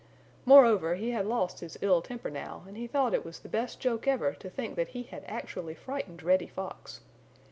Moreover, he had lost his ill temper now and he thought it was the best joke ever to think that he had actually frightened Reddy Fox.